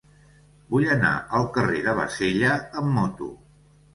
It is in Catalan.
Vull anar al carrer de Bassella amb moto.